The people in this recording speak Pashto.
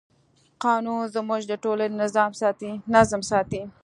قانون زموږ د ټولنې نظم ساتي.